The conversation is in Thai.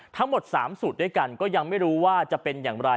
ทั้งหมด๓สูตรด้วยกันก็ยังไม่รู้ว่าจะเป็นอย่างไร